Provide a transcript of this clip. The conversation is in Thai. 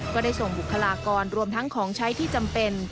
ก็ได้ส่งบุคลากรรวมทั้งของใช้ที่จำเป็น